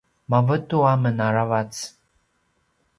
mavetu amen aravac